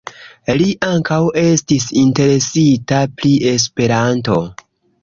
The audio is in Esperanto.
Li ankaŭ estis interesita pri Esperanto.